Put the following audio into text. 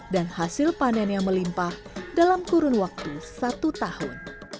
hasil panen yang melimpah dalam kurun waktu satu tahun